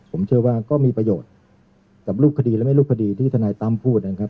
ผมเชื่อว่าก็มีประโยชน์กับรูปคดีและไม่รูปคดีที่ทนายตั้มพูดนะครับ